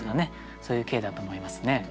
そういう景だと思いますね。